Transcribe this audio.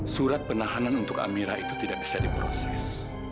surat penahanan untuk amirah itu tidak bisa diproses